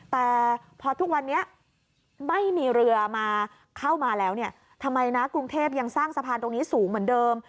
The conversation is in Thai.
แต่พอทุกวันนี้ไม่มีเรือมาเข้ามาแล้วเนี่ยทำไมนะกรุงเทพยังสร้างสะพานตรงนี้สูงเหมือนเดิม